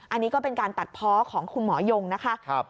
อันนี้ก็เป็นการตัดเพาะของคุณหมอยงนะคะ